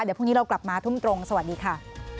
เดี๋ยวพรุ่งนี้เรากลับมาทุ่มตรงสวัสดีค่ะ